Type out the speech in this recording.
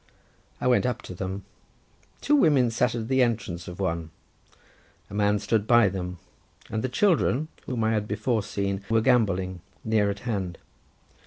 I went up to them: two women sat at the entrance of one; a man stood by them, and the children, whom I had before seen, were gambolling near at hand.